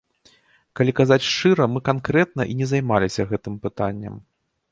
Калі казаць шчыра, мы канкрэтна і не займаліся гэтым пытаннем.